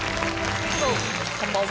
こんばんは。